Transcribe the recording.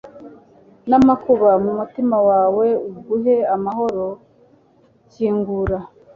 n'amakuba, mu mutima wawe aguhe amahoro, kingura